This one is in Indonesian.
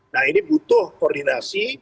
nah ini butuh koordinasi